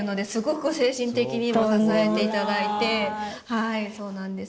はいそうなんです。